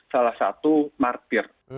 salah satu martir